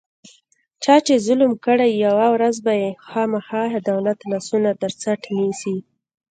چا چې ظلم کړی وي، یوه ورځ به یې خوامخا دولت لاسونه ترڅټ نیسي.